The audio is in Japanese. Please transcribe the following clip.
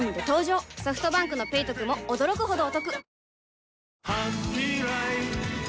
ソフトバンクの「ペイトク」も驚くほどおトク